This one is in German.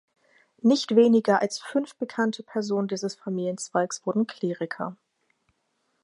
Nicht weniger als fünf bekannte Personen dieses Familienzweigs wurden Kleriker.